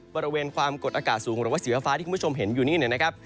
บริเวณความกดอากาศสูงหรือว่าสีฟ้าที่คุณผู้ชมเห็นอยู่นี่นะครับ